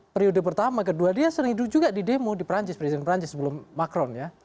periode pertama kedua dia sering hidup juga di demo di perancis presiden perancis sebelum macron ya